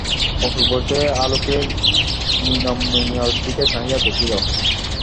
অপূর্ব সেই আলোকে মৃন্ময়ীর দিকে চাহিয়া দেখিল।